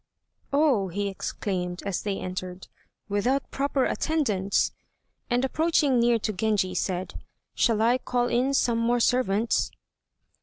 "Oh!" he exclaimed, as they entered. "Without proper attendants!" And approaching near to Genji said, "Shall I call in some more servants?"